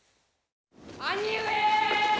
兄上！